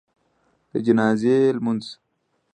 د جنازي لمونځ